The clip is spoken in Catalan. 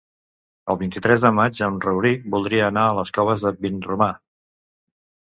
El vint-i-tres de maig en Rauric voldria anar a les Coves de Vinromà.